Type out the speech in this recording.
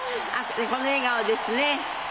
でこの笑顔ですね。